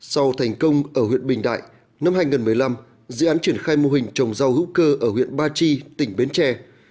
sau thành công ở huyện bình đại năm hai nghìn một mươi năm dự án triển khai mô hình trồng rau hữu cơ ở huyện ba chi tỉnh bến tre